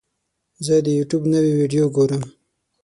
زه د یوټیوب نوې ویډیو ګورم.